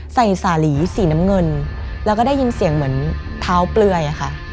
สาหรี่สีน้ำเงินแล้วก็ได้ยินเสียงเหมือนเท้าเปลือยอะค่ะ